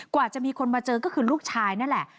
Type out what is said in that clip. กว่าจะมีคนมาเจอก็คือลูกชายนั่นแหละ